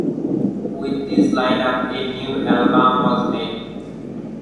With this lineup, a new album was made.